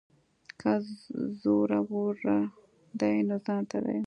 که زورور دی نو ځانته دی.